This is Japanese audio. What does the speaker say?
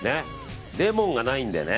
レモンがないんでね。